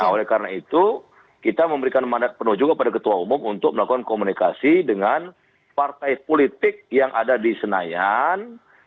nah oleh karena itu kita memberikan mandat penuh juga kepada ketua umum untuk melakukan komunikasi dengan partai politik yang ada di senayan